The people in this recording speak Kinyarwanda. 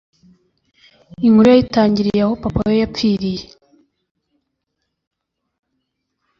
inkuru yayitangiriye aho papa we yapfiriye